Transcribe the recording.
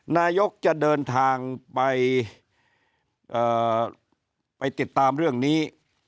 นายกจะเดินทางไปติดตามเรื่องนี้